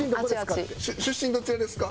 出身どちらですか？